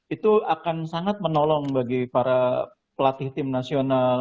itu akan sangat menolong bagi para pelatih tim nasional